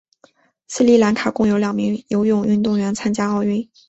斯里兰卡共有两名游泳运动员参加奥运。